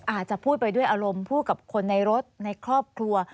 อาจจะพูดไปด้วยอารมณ์พูดกับคนในรถในครอบครัว